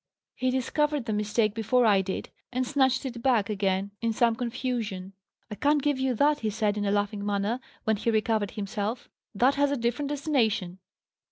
He discovered the mistake before I did, and snatched it back again in some confusion." "'I can't give you that,' he said in a laughing manner, when he recovered himself. 'That has a different destination.